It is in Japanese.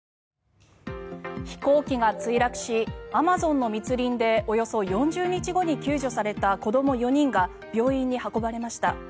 飛行機が墜落しアマゾンの密林でおよそ４０日後に救助された子ども４人が病院に運ばれました。